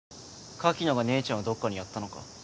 柿野が姉ちゃんをどっかにやったのか？